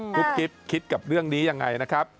ุ๊กกิ๊บคิดกับเรื่องนี้ยังไงนะครับ